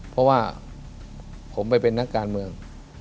เพราะว่าผมไปเป็นนักการเมือง